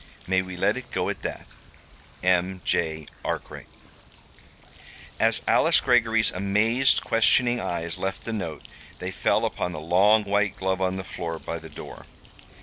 May we let it go at that? "M. J. ARKWRIGHT." As Alice Greggory's amazed, questioning eyes left the note they fell upon the long white glove on the floor by the door.